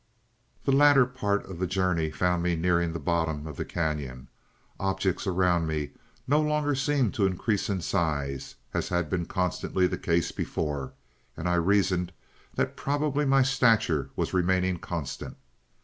"The latter part of the journey found me nearing the bottom of the cañon. Objects around me no longer seemed to increase in size, as had been constantly the case before, and I reasoned that probably my stature was remaining constant.